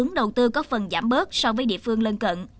vốn đầu tư có phần giảm bớt so với địa phương lân cận